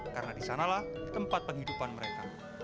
karena disanalah tempat penghidupan mereka